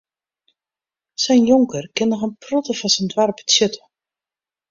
Sa'n jonker kin noch in protte foar sa'n doarp betsjutte.